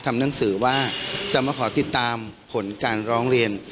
ทำหนังสือว่าจะมาขอติดตามผลการร้องเรียน